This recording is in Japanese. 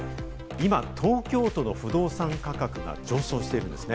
今、東京都の不動産価格が上昇しています。